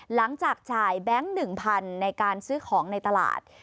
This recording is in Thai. หลังจากจ่ายแบงค์๑๐๐๐ในการซื้อของในตลาด